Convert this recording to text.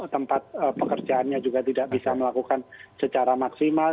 tempat pekerjaannya juga tidak bisa melakukan secara maksimal